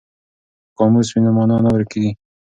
که قاموس وي نو مانا نه ورکیږي.